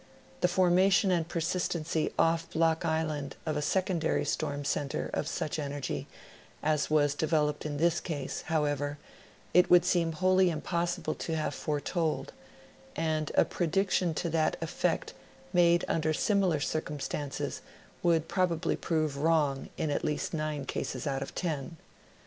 The formation and persistency off Block Island of a secondary storm center of such energy as was developed in this case, however, it would seem wholly impossible to have foretold, and a prediction to that effect made under similar circumstances would probably prove wron^ in at least nine cases out of ten.